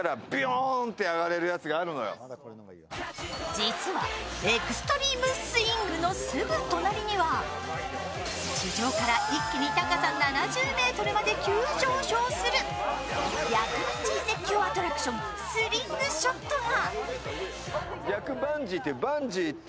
実はエクストリームスイングのすぐ隣には、地上から一気に高さ７０ｍまで急上昇する、逆バンジー絶叫アトラクション、スリングショットが。